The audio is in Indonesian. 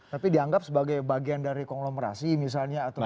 tapi dianggap sebagai bagian dari konglomerasi misalnya atau